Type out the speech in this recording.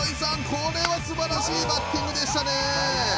これは素晴らしいバッティングでしたね